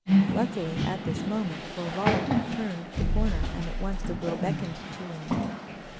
Luckily, at this moment Horval turned the corner, and at once the girl beckoned to him.